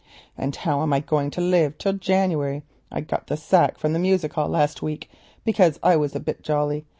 And how am I going to live till January? I got the sack from the music hall last week because I was a bit jolly.